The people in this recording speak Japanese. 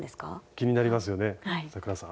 気になりますよね咲楽さん。